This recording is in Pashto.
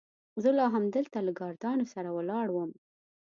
زه لا همدلته له ګاردانو سره ولاړ وم.